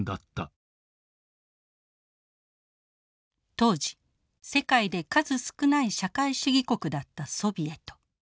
当時世界で数少ない社会主義国だったソビエト。